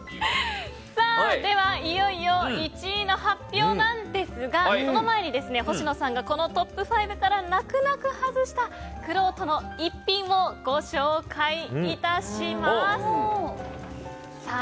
ではいよいよ１位の発表ですがその前に、星野さんがこのトップ５から泣く泣く外したくろうとの逸品をご紹介します。